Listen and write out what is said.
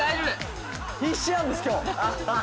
必死なんです今日。